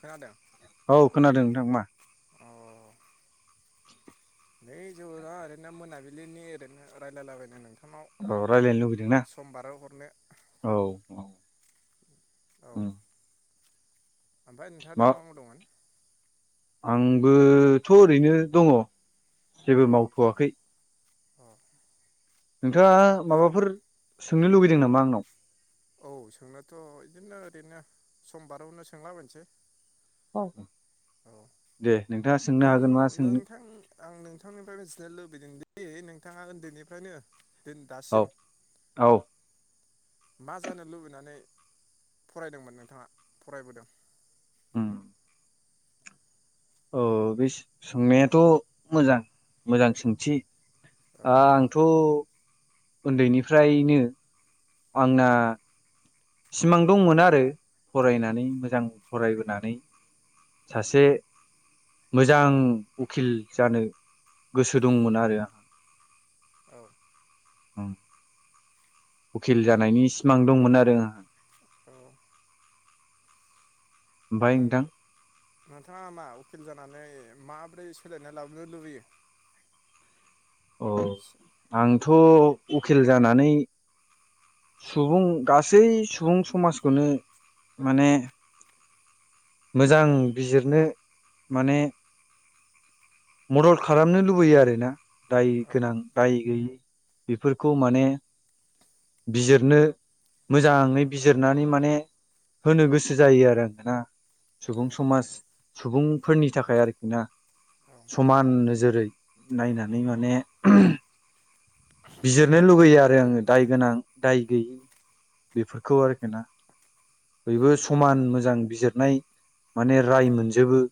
खोनादों औ खोनादों नोंथां मा? अ [inaudible] नै ज ओरैनो मोनाबिलिनि ओरैनो रायलायलाबाय नोंथां। औ रायज्लायनो लुबैदों ना हरनो औ औ औ। ओमफ्राय नोंथाङा दा मा मावदोंमोन? आंबोथ ओरैनो दङ। अ जेबो मावथ आखै। अ नोंथाङा माबाफोर सोंनो लुबैदों नामा आं नाव? औ सोंनोथ बिदिनो ओरैनो समबारावनो सोंलाबोनसै। औ। औ नों हागोन मा सोंनो नोंथां आं नोंथांनिफ्रायनो। लुबैदोंदि नोंथाङा उन्दैनिफ्रायनो दिन औ दासिम औ मा जानो लुबैनानै फरायदोंमोन नोंथाङा फरायबोदों। उम औ बे सोंनायाथ मोजां मोजां सोंथि। औ आंथ उन्दैनिफ्रायनो आंना सिमां दंमोन आरो फरायनानै मोजां फरायबोनानै सासे मोजां उखिल जानो गोसो दंमोन आरो औ उखिल जानायनि सिमां दंमोन आरो आं औ नोंथाङा मा उकिल जानानै माब्रै सोलायनाय लाबोनो लुबैयो? औ आं थ' उखिल जानानै सुबुं गासै सुबुं समाजखौनो माने मोजां बिजिरनो माने मदद खालामनो लुबैयो आरोना दाय औ गोनां दाय गैयि बेफोरखौ माने बिजिरनो मोजाङै बिजिरनानै माने होनो गोसो जायो आरो आङोना औ सुबुं समाज सुबुंफोरनि थाखाय आरोखि ना औ समान नोजोरै नायनानै माने बिजिरनो लुुबैयो आरो आङो दाय गोनां दाय गैयि बेफोरखौ आरोखि ना बयबो उम समान मोजां बिजिरनाय माने राय मोनजोबो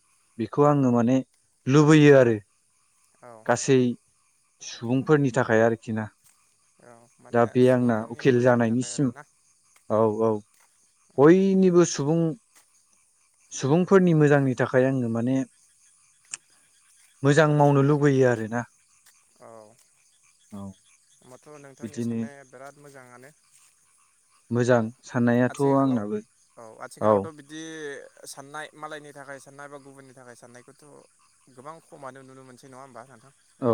बेखौ आङो माने लुबैयो आरो औ गासै सुबुंफोरनि थाखाय आरोखि ना औ दा माने बे आंना सुबुंफोरनि उखिल मोजांनि थाखाय जानायनिसिम आरोना औ औ औ बयनिबो सुबुं सुबुंफोरनि मोजांनि थाखाय आङो माने मोजां मावनो लु बैयो आरोना औ औ ओमबाथ' नोंथांनि बिदिनो साननाया बिराद मोजां मोजाङानो मोजां साननायाथ' आथिखालाव आंनाबो औ आथिखालावथ' बिदि साननाय मालायनि थाखाय साननाय बा गुबुननि थाखाय साननायखौथ' गोबां खमानो नुनो मोनसै नङा होमबा नोंथां औ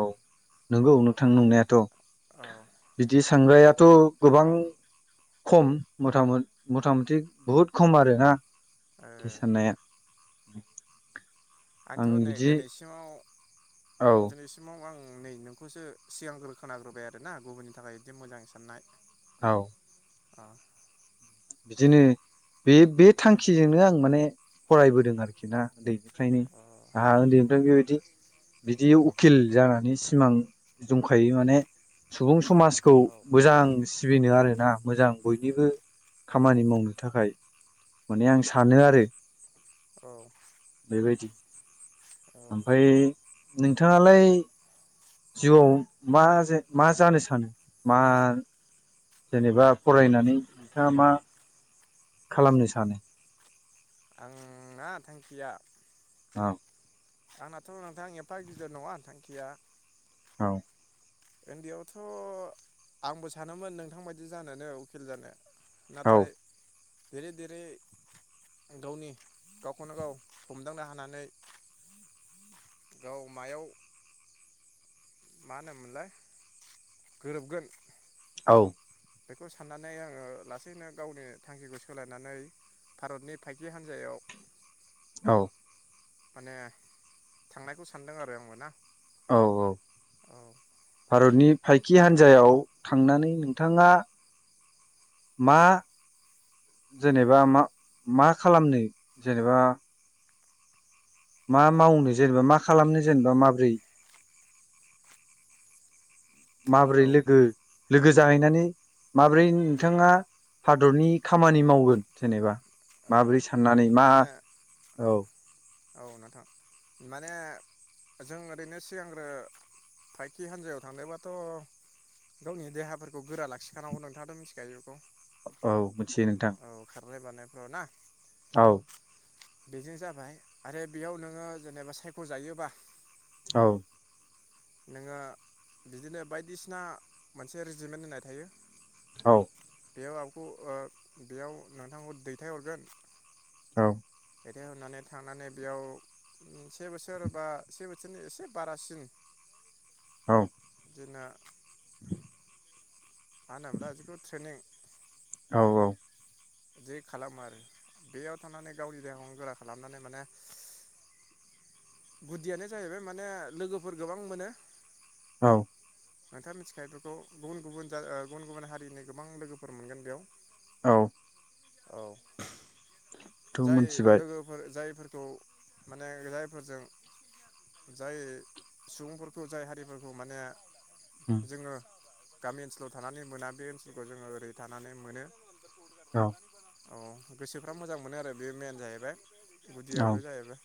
औ नंगौ नोंथां नंनायाथ' औ बिदि सांग्राया थ' गोबां खम मोजां मथा मथा मथि बुहुत खम आरोना ओ साननाया [inaudible] आं आंथ' नै बिदि दिनैसिमाव औ दिनैसिमाव आं नै नोंखौसो सिगांग्रो खोनाग्रोबाय आरोना गुबुननि थाखाय बिदि मोजां साननाय औ ओ बिदिनो बे बे थांखिजोंनो आं माने फरायबोदों आरोखि ना उन्दै फ्रायनो अ आंहा उन्दैनिफ्रायनो बेबा बिदि उखिल जानानै सिमां दंखायो माने सुबुं समाजखौ औ मोजां सिबिनो आरो ना मोजां बयनिबो खामानि मावनो थाखाय माने आं सानो आरो औ बेबायदि औ ओमफ्राय नोंथाङालाय जिउवाव मा जेन मा जानो सानो मा जेनेबा फरायनानै नोंथाङा मा खालामनो सानो आं ना थांखिया औ आंनाथ' नोंथां एफा गिदिर नङा थांखिया औ उन्दैयावथ' आंबो सानोमोन नोंथां बादि जानोनो उखिल जानो औ नाथाय देरै देरै गावनि गावखौनो गाव हमदांनो हानानै गाव मायाव मा होनोमोनलाय गोरोबगोन औ बेखौ साननानै आङो लासैनो गावनि थांखिखौ सोलायनानै भारतनि फायखि हान्जायाव औ माने थांनायखौ सानदों आरो आंबो ना औ औ औ भारतनि फायखि हान्जायाव थांनानै नोंथाङा मा जेनेबा मा मा खालामनो जेनेबा मा मावनो जेनेबा मा खालामनो जेनेबा माब्रै माबोरै औ लोगो लोगो जाहै नानै माब्रै नोंथाङा हादरनि खामानि मावगोन जेनेबा औ माबोरै साननानै मा माने औ औ नोंथां माने जों ओरैनो सिगांग्रो फायखि हान्जायाव थांदोंबाथ' गावनि देहाफोरखौ गोरा लाखिखानांगौ नोंथाङाथ' मिथिखायो बेखौ औ मिथियो नोंथां [inaudible] र' ना औ बेजों जाबाय आरो बेयाव नोङो जेनेबा सायख' जायोबा औ नोङो बिदिनो बायदिसिना मोनसे रेजिमेन्ट होनाय थायो। औ बेयाव आंखौ ओ बेयाव नोंथांखौ दैथायहरगोन। औ दैेथायहरनानै थांनानै बेयाव उम से बोसोर बा से बोसोरनि एसे बारासिन औ जोंना मा होनोमब्रा जिखिनु थ्रेनिं औ औ जि खालामो आरो बेयाव थानानै गावनि देहाखौ गोरा खालामनानै माने गुदियानो जाहैबाय माने लोगोफोर गोबां मोनो। औ नोंथांङा मिथिखायो बेफोरखौ गुबुन गुबुन जा गुबुन गुबुन हारिनि गोबां लोगोफोर मोनगोन बेयाव। औ। औ। जाय मोनथिबाय लोगोफोर जायफोर खौ माने जायफोरजों जाय सुबुंफोरखौ जाय हारिफोरखौ माने उम जोंङो गामि ओनसोलाव थानानै मोना बे ओनसोलखौ जोंङो ओरै थानानै मोनो। औ। अ गोसोफ्रा मोजां मोनो आरो बे मेन जाहैबाय। औ गुदियावबो जाहैबाय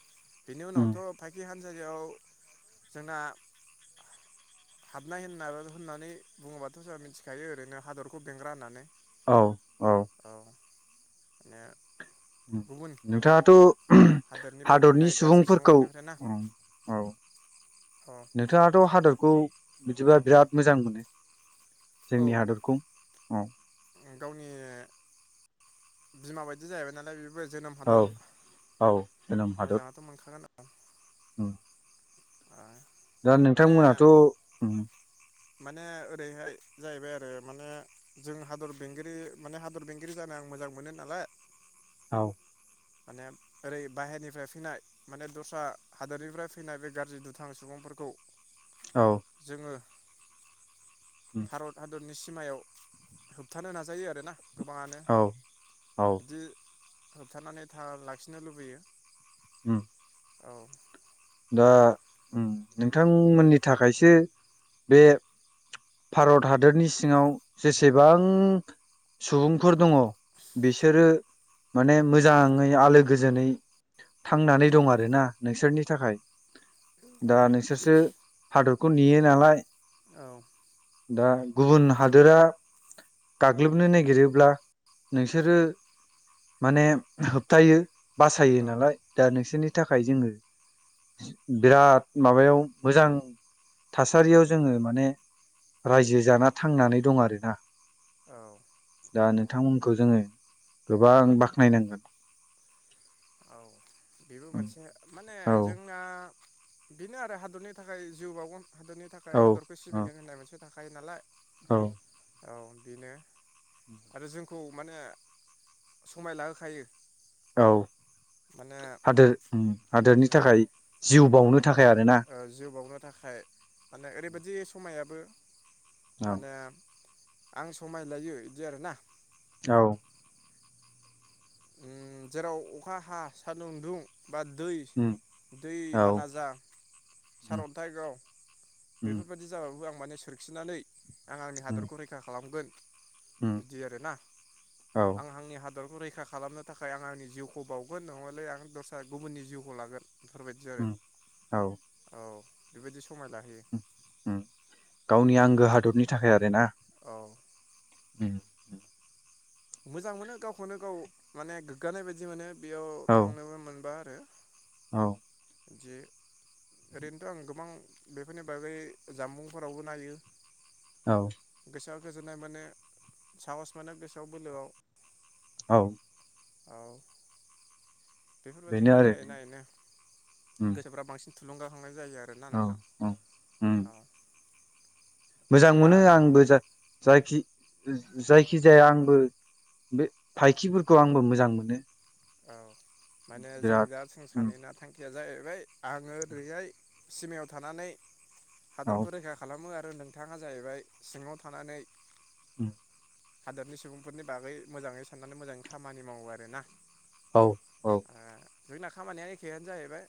बेनि उम उनावथ' फाइखि हान जायगायाव जोंना हाबनाय होनना होननानै बुङोबाथ' जोंहा मिथिखायो ओरैनो हादरखौ बेंग्रा होननानै। औ औ। माने उम गुबुन नोंथांङाथ' हादोरनिफ्राय हादरनि फैनाय गाज्रि सुबुंफोरखौ सुबुंफोरनिफ्राय ना अ औ अ नोंथांङाथ' हादरखौ बिदिबा बिराद मोजां मोनो। औ जोंनि हादरखौ औ गावनि बिमा बायदि जाहैबाय नालाय बे बो जोनोम औ हादर औ मोजाङाथ' मोनखागोन आरो औ। आ दा नोंथांमोनाथ' उम्म माने ओरैहाय जाहैबाय आरो माने जों हादर बेंगिरि माने हादर बेंगिरि जानो आं मोजां मोनो नालाय। औ। माने ओरै बाहेरनिफ्राय फैनाय माने दस्रा हादोरनिफ्राय फैनाय बे गारजि दुथां सुबुंफोरखौ औ जोंङो उम भारत हादोत बिनि सिमायाव होबथानो नाजायो आरोना। गोबाङानो औ औ बिदि होबथानानै था लाखिनो लुबैयो। उम्म। औ। दा उम नोंथांमोननि थाखायसो बे भारत हादरनि सिङाव जेसेबां सुबुंफोर दङ बिसोरो माने मोजाङै आलो गोजोनै थांनानै दं आरोना नोंसोरनि थाखाय। औ दा नोंसोरसो हादरखौ नेयो नालाय औ दा गुबुन हादोरा गाग्लोबनो नागिरोब्ला नोंसोरो माने होबथायो, बासायो औ नालाय दा नोंसोरनि थाखाय जोङो बिराद माबायाव मोजां थासारियाव जोङो माने रायजो जाना थांनानै दं आरोना औ थांमोनखौ जों गोबां बाखनाय‌ नांगोन। औ बेबो मोनसे माने जोंना बेनो आरो हादरनि थाखाय जिउ बावगोन हादरनि थाखाय औ हादरखौ सिबिगोन होननाय मोनसे थां थाखायो नालाय औ औ बेनो आरो जोंखौ माने समाय लाहोखायो औ माने हादोर उम हादोरनि उम थाखाय जि उ बावनो थाखाय आरोना ओ जिउ बाउगोन थाखाय माने ओरैबायदि समायाबो औ माने आं समाय लायो इदि आरोना औ उम जेराव अखा हा सानदुं दुं बा दै उम दै औ बाना जा उम सारअन्थाइ गाव उम बेफोरबादि जाबाबो आं माने सोरखिनानै आं आंनि उम हादरखौ रैखा खालामगोन। उम बिदि आरोना औ आं हांनि हा दरखौ रैखा खालामनो थाखाय आं आंनि जिउखौ बावगोन नङाले आं दस्रा गुबुननि जिउखौ लागोन। बेफोरबायदि आरो उम औ औ बेबायदि सु समाय लाहोयो। गो हादरनि थाखाय आरो ना। उम मोजां मोनो गावखौनो गाव माने गोग्गानाय बायदि मोनो। बेयाव औ थांनोबो मोनबा रो औ इदि ओरैनोथ आं गोबां बेफोरनि बागै जामबुंफोरावबो नायो औ सोआ गोजोननाय मोनो साहस मोनो गोस [inaudible] बोलोआव औ औ बेनो बेफोरबायदिखौ आरो नायै नायैनो उम गोसोफ्रा बांसिन थुलगाखांनाय जायो आरोना औ नोंथां औ उम औ मोजां दा मोनो आंबो जा जायखि जायखि जाया आंबो बे फायखिफोरखौ आंबो मोजां मोनो औ माने जों बिराद दा जों उम सानैना थांखिया जायो बै आंङो ओरैहाय सिमायाव थानानै औ हादरखौ रैखा खालामो आ रो नोंथाङा जाहैबाय सिंङाव थानानै उम हादोरनि सुबुंफोरनि बागै मोजांङै साननानै मोजांङै खामानि मावो आरो ना औ औ जोंना खामानिया एखेआनो जाहैबाय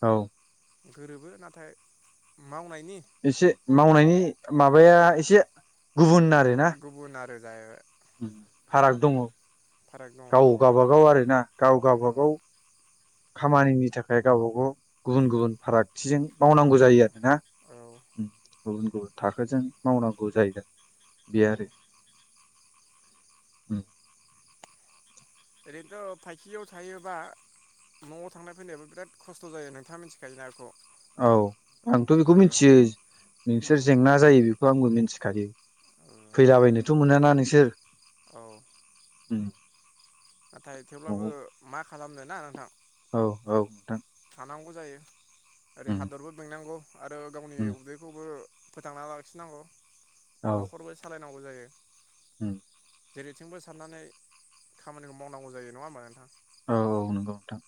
औ गोरोबो नाथाय उम एसे मावनायनि माब बाया एसे गुबुन आरो ना जाय फाराग दंङ फाराग दङ गाव औ गाबागाव आरो ना गाव औ गाबागाव खामानिनि थाखाय गावबा गाव गुबुन गुबुन फारागथिजों मावनांगौ औ जायो आरो औ ना थाखोजों मावनांगौ जायो [inaudible] ओम ओरैनोथ फाइखियाव थायोबा नआव थांनाय फैनायाबो बिराद खस्थ' जायो नोंथाङा मिथिखायो ना बेखौ औ आंथ औ बेखौ मिथियो औ नोंसोर जेंना जायो बेखौ आंबो मिथि मिथिखायो फैलाबायनोथ मोनाना नोंसोर औ ओम नाथाय थेवब्लाबो मा? खालामनो ना नोंथां? औ औ नोंथां। [unintelligible] जायो। ओरै हादरबो बेंनांगौ। आरो गावनि उदैखौबो फोथांना लाखिनांगौ। न'खरबो सालाय नांगौ जायो। ओम जेरैथिंबो साननानै खामानिखौ मावनांगौ जायो नङा होमबा नोंथां? औ औ नंगौ नोंथां।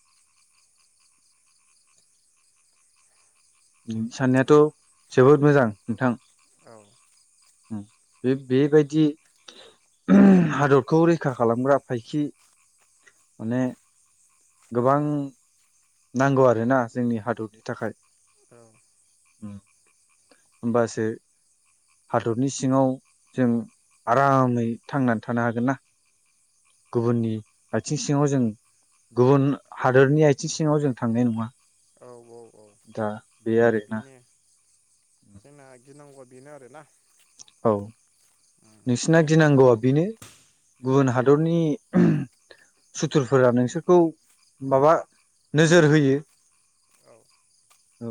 साननायाथ' जोबोद मोजां नोंथां। औ। ओम, बे बेबायदि [unintelligible] हादरखौ रैखा खालामग्रा फायखि माने गोबां नांगौ आरोना जोंनि हादरनि थाखाय। औ। ओमबासो हादरनि सिङाव जों आरामै थांनानै थानो हागोन ना गुबुननि आथिं सिङाव जों गुबुन हादरनि आथिं सिङाव जों थांनाय नङा। औ औ। दा बे आरो ना। बेनो जोंना गिनांगौआ बेनो आरो ना। औ नोंसिना गिनांगौआ बेनो। गुबुन हादरनि [unintelligible] सुथुरफोरा नोंसोरखौ माबा नोजोर होयो। औ औ।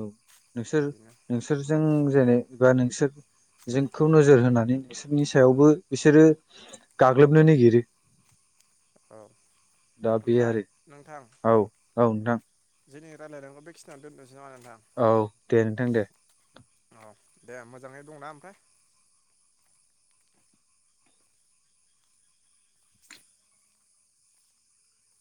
नोंसोर बेनो नोंसोरजों जेनेबा नोंसोर जोंखौ नोजोर होनानै बिसोरनि सायावबो बिसोरो गाग्लोबनो नागिरो। औ दा बे ओमफ्राय आरो नोंथां औ औ नोंथां। जोंनि रायलायनायखौ बेखिनियाव दोनथ' औ दे नोंथां दे। औ दे मोजाङै दंना ओमफाय?